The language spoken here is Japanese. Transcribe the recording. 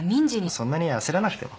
そんなに焦らなくても。